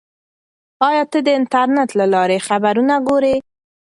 آیا ته د انټرنیټ له لارې خبرونه ګورې؟